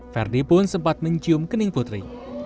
verdi pun sempat mencium kening putri